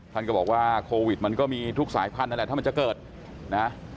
ท่านก็บอกว่าโควิดมันก็มีทุกสายพันธุ์นั่นแหละถ้ามันจะเกิดนะ